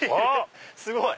すごい！